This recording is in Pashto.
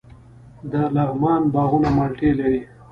د لغمان باغونه مالټې لري.